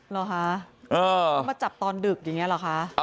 ต้องมาจับตอนดึกอย่างนี้เหรอคะ